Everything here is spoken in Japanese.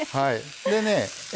でね